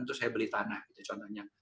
untuk saya beli tanah itu contohnya